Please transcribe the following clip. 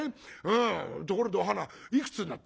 ところでお花いくつになった？」。